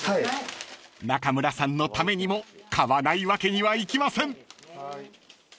［中村さんのためにも買わないわけにはいきません］